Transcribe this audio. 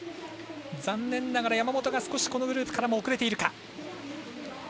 残念ながら山本が少しグループからも遅れているか。